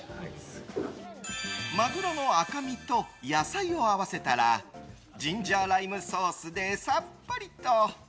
マグロの赤身と野菜を合わせたらジンジャーライムソースでさっぱりと。